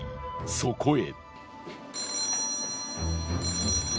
そこへ。